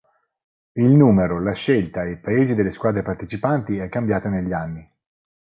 Il numero, la scelta e i paesi delle squadre partecipanti è cambiato negli anni.